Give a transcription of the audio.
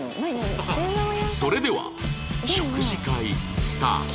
それでは食事会スタート